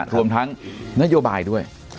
รวมทั้งนโยบายด้วย